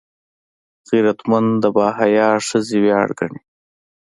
غیرتمند د باحیا ښځې ویاړ ګڼي